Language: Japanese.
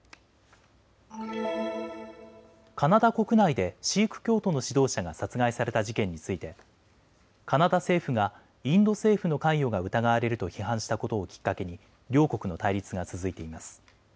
カナダ国内でシーク教徒の指導者が殺害された事件についてカナダ政府がインド政府の関与が疑われると批判したことをきっかけに両国の対立が続いています。